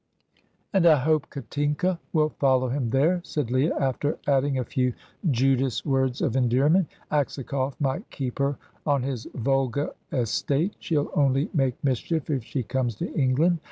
"And I hope Katinka will follow him there," said Leah, after adding a few Judas words of endearment. "Aksakoff might keep her on his Volga estate. She'll only make mischief if she comes to England.